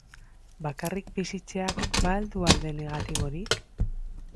Bakarrik bizitzeak ba al du alde negatiborik?